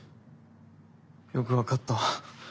よく分かったわ。